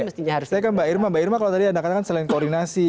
saya ke mbak irma mbak irma kalau tadi anda katakan selain koordinasi